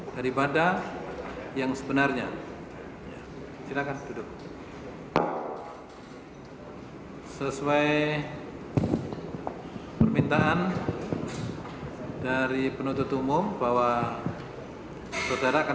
daripada yang sebenarnya silakan duduk sesuai permintaan dari penuntut umum bahwa saudara akan